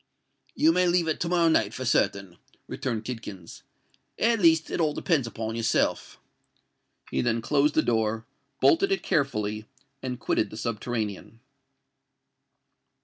"You may leave it to morrow night for certain," returned Tidkins: "at least, it all depends on yourself." He then closed the door, bolted it carefully, and quitted the subterranean.